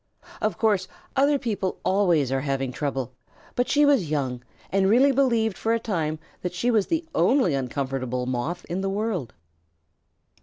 Of course other people always are having trouble, but she was young and really believed for a time that she was the only uncomfortable Moth in the world.